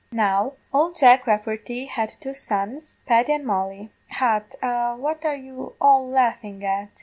Now, ould Jack Rafferty had two sons, Paddy and Molly hut! what are you all laughing at?